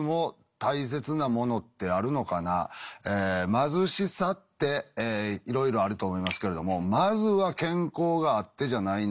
貧しさっていろいろあると思いますけれどもまずは健康があってじゃないのかな。